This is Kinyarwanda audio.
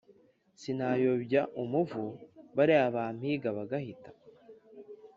sinayobya umuvu bariya bampiga bagahita?